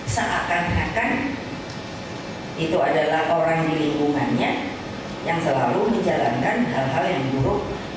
seakan akan itu adalah orang di lingkungannya yang selalu menjalankan hal hal yang buruk